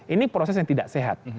ini proses yang tidak sehat